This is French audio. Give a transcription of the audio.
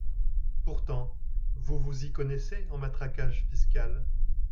Pourtant, vous vous y connaissez en matraquage fiscal